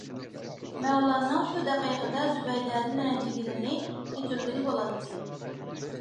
مەۋلان شۇ دەقىقىدە زۇبەيدەدىن رەنجىگىنىنى كەچۈرگىلى بولاتتى.